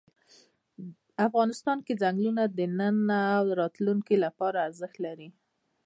افغانستان کې ځنګلونه د نن او راتلونکي لپاره ارزښت لري.